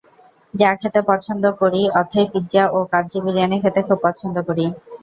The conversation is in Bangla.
যা খেতে পছন্দ করিঅথই পিৎজা ও কাচ্চি বিরিয়ানি খেতে খুব পছন্দ করি।